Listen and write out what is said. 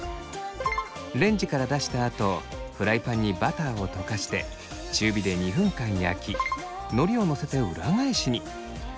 レンジから出したあとフライパンにバターを溶かして中火で２分間焼きのりをのせて裏返しに。